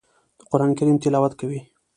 د قران کریم تلاوت کوي.